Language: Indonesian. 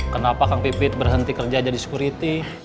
kenapa kang pipit berhenti kerja aja di sekuriti